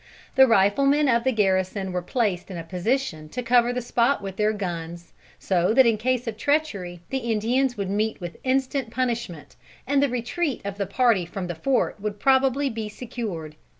The riflemen of the garrison were placed in a position to cover the spot with their guns, so that in case of treachery the Indians would meet with instant punishment, and the retreat of the party from the fort would probably be secured.